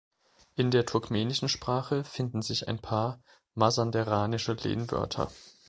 In der turkmenischen Sprache finden sich ein paar masanderanische Lehnwörter.